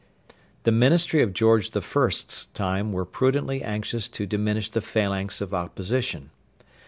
The ministry of George the First's time were prudently anxious to diminish the phalanx of opposition.